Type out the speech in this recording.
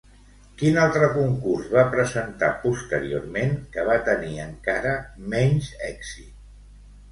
Quin altre concurs va presentar posteriorment que va tenir encara menys èxit?